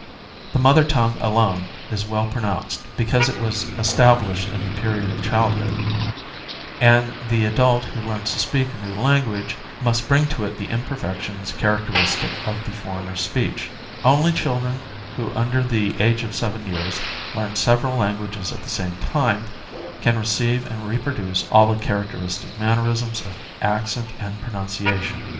The mother tongue alone is well pronounced because it was established in the period of childhood; and the adult who learns to speak a new language must bring to it the imperfections characteristic of the foreigner's speech: only children who under the age of seven years learn several languages at the same time can receive and reproduce all the characteristic mannerisms of accent and pronunciation.